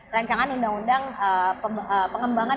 rancangan undang undang pengembangan